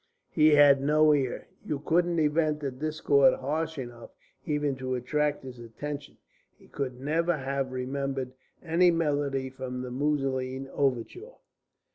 "He had no ear. You couldn't invent a discord harsh enough even to attract his attention. He could never have remembered any melody from the Musoline Overture."